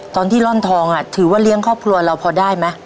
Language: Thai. ตอนที่ร่อนทองถือว่าเลี้ยงครอบครัวเราพอได้ไหม